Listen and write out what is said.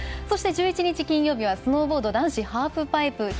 そして１１日金曜日はスノーボード男子ハーフパイプ。